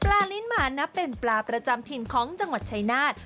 ลิ้นหมานับเป็นปลาประจำถิ่นของจังหวัดชายนาฏ